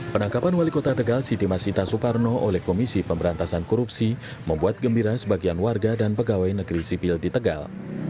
penangkapan wali kota tegal siti masita suparno oleh komisi pemberantasan korupsi membuat gembira sebagian warga dan pegawai negeri sipil di tegal